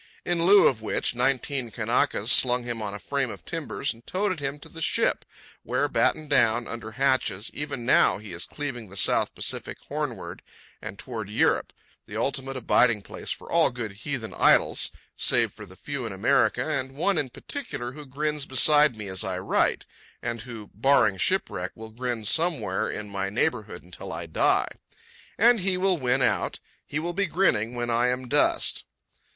In lieu of which, nineteen Kanakas slung him on a frame of timbers and toted him to the ship, where, battened down under hatches, even now he is cleaving the South Pacific Hornward and toward Europe—the ultimate abiding place for all good heathen idols, save for the few in America and one in particular who grins beside me as I write, and who, barring shipwreck, will grin somewhere in my neighbourhood until I die. And he will win out. He will be grinning when I am dust.